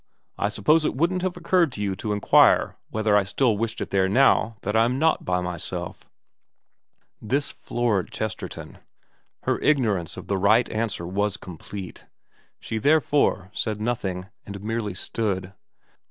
I suppose it wouldn't have occurred to you to inquire whether I still wished it there now that I am not by myself.' This floored Chesterton. Her ignorance of the right answer was complete. She therefore said nothing, and merely stood.